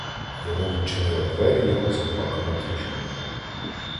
Йому відчинила двері його заплакана дружина.